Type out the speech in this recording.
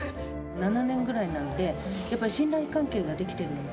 ７年ぐらいなので、やっぱり信頼関係ができてるので。